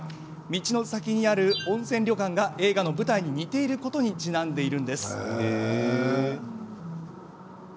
道の先にある温泉旅館が映画の舞台に似ていることにちなんでいるんです。